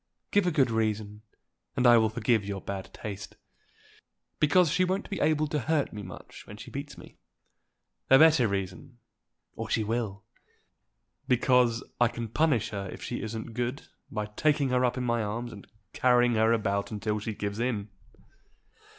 Give a good reason, and I will forgive your bad taste." "Because she won't be able to hurt me much when she beats me." "A better reason, or she will." "Because I can punish her if she isn't good by taking her up in my arms, and carrying her about until she gives in."